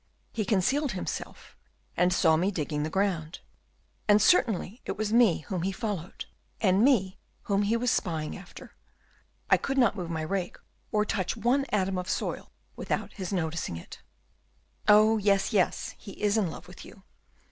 He concealed himself and saw me digging the ground, and certainly it was me whom he followed, and me whom he was spying after. I could not move my rake, or touch one atom of soil, without his noticing it." "Oh, yes, yes, he is in love with you," said Cornelius.